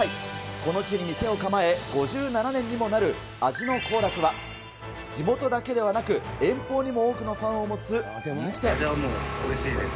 この地に店を構え５７年にもなる、味の幸楽は、地元だけではなく、遠方にも多くのファンを持つ人気味はもうおいしいです。